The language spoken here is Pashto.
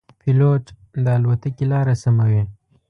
پیلوټ د الوتکې لاره سموي.